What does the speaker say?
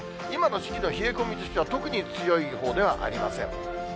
今の時期の冷え込みとしては特に強いほうではありません。